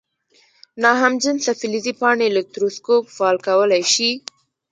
ناهمجنسه فلزي پاڼې الکتروسکوپ فعالیت کولی شي؟